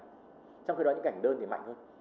trong khi đó những cái ảnh đơn thì mạnh hơn